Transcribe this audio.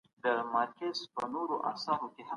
شريکول زده کړه زياتوي.